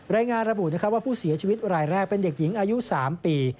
รายงานระบุว่าผู้เสียชีวิตรายแรกเป็นเด็กหญิงอายุ๓ปี